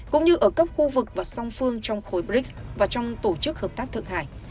cũng như ở cấp khu vực và song phương trong khối brics và trong tổ chức hợp tác thượng hải